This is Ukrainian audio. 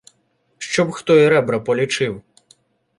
Щоб хто і ребра полічив: